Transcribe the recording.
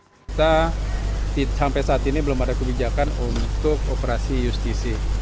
kita sampai saat ini belum ada kebijakan untuk operasi justisi